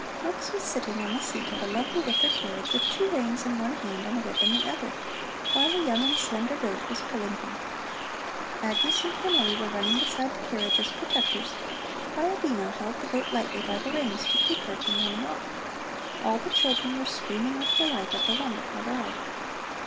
Mux was sitting on the seat of a lovely wicker carriage, with two reins in one hand and a whip in the other, while a young and slender goat was pulling him. Agnes and Cornelli were running beside the carriage as protectors, while Dino held the goat lightly by the reins to keep her from running off. All the children were screaming with delight at the wonderful ride.